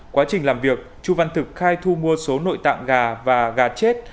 quá trình làm việc chu văn thực khai thu mua số nội tạng gà và gà chết